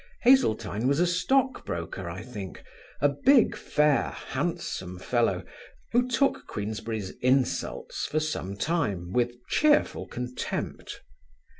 Haseltine was a stockbroker, I think, a big, fair, handsome fellow who took Queensberry's insults for some time with cheerful contempt.